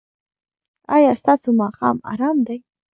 ایا ستاسو ماښام ارام دی؟